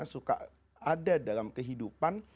suka ada dalam kehidupan